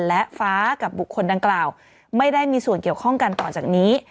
และฟ้ากับบุคคลดังกล่าวไม่ได้มีส่วนเกี่ยวข้องกันต่อจากนี้